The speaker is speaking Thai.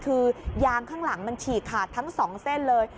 คือยางข้างหลังมันฉีกขาดทั้ง๒เส้นเลย